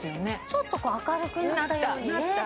ちょっと明るくなったようにね